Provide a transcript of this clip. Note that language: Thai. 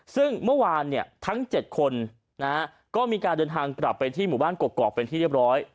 ซึ่งเมื่อวานทั้ง๗คนก็มีการเดินทางกลับไปที่หมู่บ้านกกอกเป็นที่เรียบร้อย